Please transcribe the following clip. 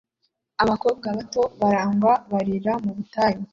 Abakobwa bato baragwa barira mu butayu